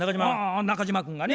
中島君がね。